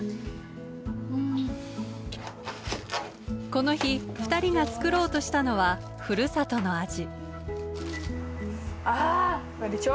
この日二人が作ろうとしたのはふるさとの味。